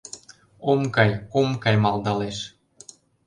«Ом кай, ом кай» малдалеш.